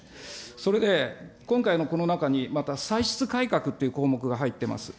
それで今回のこの中に、また歳出改革っていう項目が入ってます。